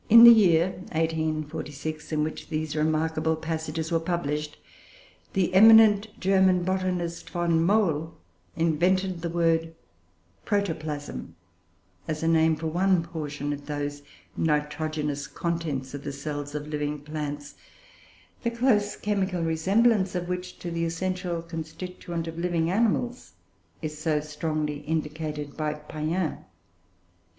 ix. 1846.] In the year (1846) in which these remarkable passages were published, the eminent German botanist, Von Mohl invented the word "protoplasm," as a name for one portion of those nitrogenous contents of the cells of living plants, the close chemical resemblance of which to the essential constituents of living animals is so strongly indicated by Payen.